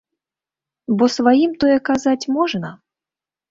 Бо сваім тое казаць можна?